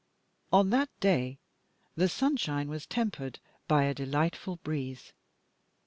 On that day the sunshine was tempered by a delightful breeze.